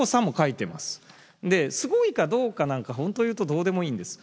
すごいかどうかなんか本当言うとどうでもいいんです。